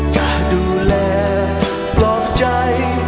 จะดูแลปลอบใจ